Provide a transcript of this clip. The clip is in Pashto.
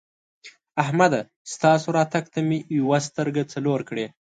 احمده! ستاسو راتګ ته مې یوه سترګه څلور کړې.